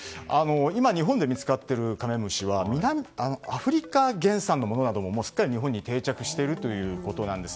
今、日本で見つかっているカメムシはアフリカ原産のものなども日本に定着しているということです。